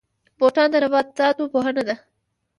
بوټاني د نباتاتو پوهنه ده